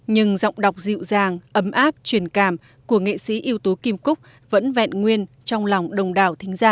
nhưng giọng đọc dịu dàng ấm áp truyền cảm của nghệ sĩ yếu tố kim cúc vẫn vẹn nguyên trong lòng đồng đảo thính giả